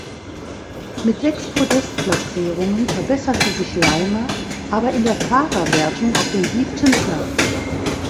Mit sechs Podest-Platzierungen verbesserte sich Leimer aber in der Fahrerwertung auf den siebten Platz.